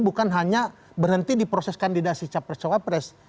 bukan hanya berhenti di proses kandidasi capres cawapres